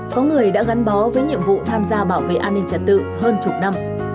có người đã gắn bó với nhiệm vụ tham gia bảo vệ an ninh trật tự hơn chục năm